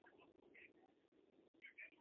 究竟在寻找什么